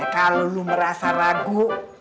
kalau lu merasa ragu